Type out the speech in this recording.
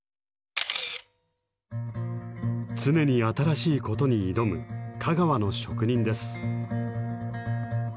常に新しいことに挑む香川の職人です。